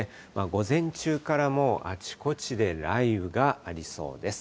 午前中からもうあちこちで雷雨がありそうです。